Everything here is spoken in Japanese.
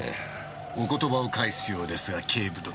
お言葉を返すようですが警部殿。